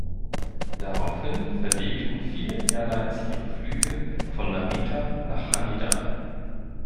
Daraufhin verlegten viele Airlines ihre Flüge von Narita nach Haneda.